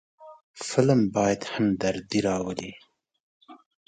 فلم باید همدردي راولي